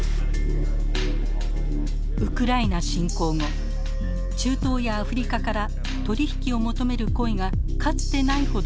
ウクライナ侵攻後中東やアフリカから取り引きを求める声がかつてないほど寄せられました。